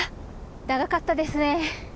長かったですね。